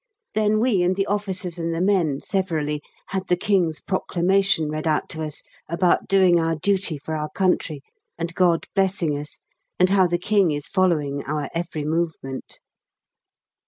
Then we and the officers and the men, severally, had the King's proclamation read out to us about doing our duty for our country, and God blessing us, and how the King is following our every movement.